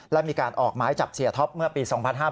และมีการออกหมายจับเสียท็อปเมื่อปี๒๕๕๙